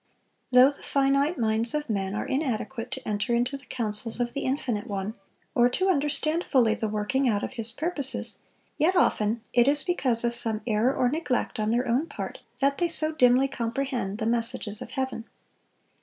Though the finite minds of men are inadequate to enter into the counsels of the Infinite One, or to understand fully the working out of His purposes, yet often it is because of some error or neglect on their own part, that they so dimly comprehend the messages of Heaven.